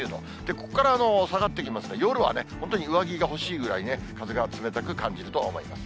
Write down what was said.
ここから下がっていきますので、夜は本当に上着が欲しいくらい、風が冷たく感じると思います。